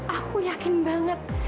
aku yakin banget